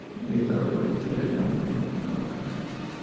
Editado por Editorial Norma, Grupo Carbajal.